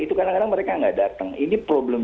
itu kadang kadang mereka nggak datang ini problem